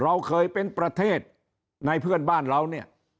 เราเคยเป็นประเทศในเพื่อนบ้านเราเนี่ย